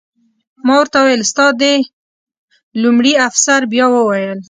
ما ورته وویل: ستا د... لومړي افسر بیا وویل.